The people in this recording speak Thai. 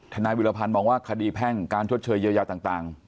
นายวิรพันธ์มองว่าคดีแพ่งการชดเชยเยียวยาต่าง